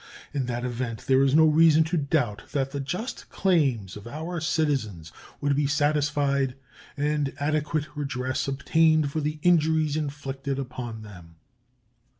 In that event there is no reason to doubt that the just claims of our citizens would be satisfied and adequate redress obtained for the injuries inflicted upon them.